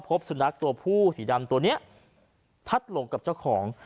พบสุนัขตัวผู้สีดำตัวนี้พัดหลงกับเจ้าของ